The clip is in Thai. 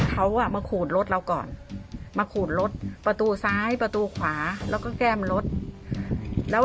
เขามาขูดรถเราก่อนมาขูดรถประตูซ้ายประตูขวาแล้วก็แก้มรถแล้ว